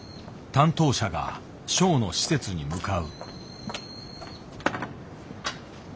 担当者がショウの施設に向かう。